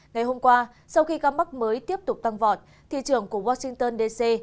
ngày hôm qua sau khi ca mắc mới tiếp tục tăng vọt thị trưởng của washington dc